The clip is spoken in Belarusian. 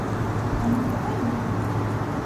Вам не хапае музыкі?